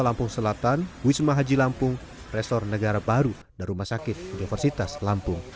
lampung selatan wisma haji lampung resor negara baru dan rumah sakit universitas lampung